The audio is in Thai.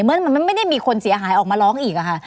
เมื่อมันไม่ได้มีคนเสียหายออกมาร้องอีกค่ะ